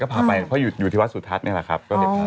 พาไปเพราะอยู่ที่วัดสุทัศน์นี่แหละครับ